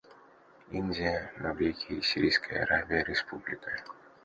Индия, Маврикий, Сирийская Арабская Республика.